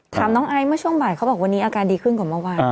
ถามน้องไอซ์เมื่อช่วงบ่ายเขาบอกวันนี้อาการดีขึ้นกว่าเมื่อวาน